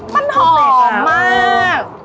มันหอมมาก